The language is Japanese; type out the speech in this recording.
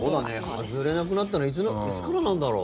外れなくなったのいつからなんだろう？